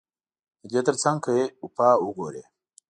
ددې ترڅنګ که يې وفا وګورې